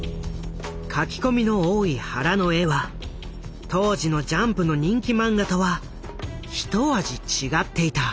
描き込みの多い原の絵は当時のジャンプの人気漫画とはひと味違っていた。